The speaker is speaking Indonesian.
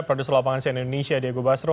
produksi lapangan sia indonesia diego basro